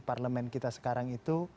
parlemen kita sekarang itu